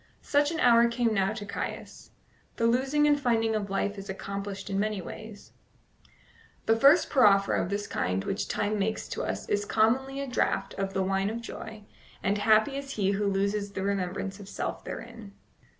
Such an hour came now to Caius. The losing and finding of life is accomplished in many ways: the first proffer of this kind which Time makes to us is commonly a draught of the wine of joy, and happy is he who loses the remembrance of self therein.